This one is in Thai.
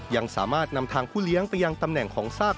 ยังสามารถนำทางผู้เลี้ยง